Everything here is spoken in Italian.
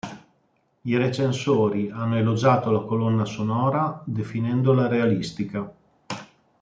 I recensori hanno elogiato la colonna sonora definendola realistica.